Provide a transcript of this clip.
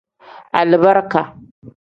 Alibarika.